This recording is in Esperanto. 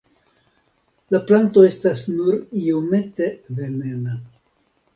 La planto estas nur iomete venena.